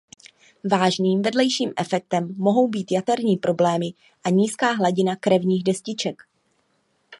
Vážným vedlejším efektem mohou být jaterní problémy a nízká hladina krevních destiček.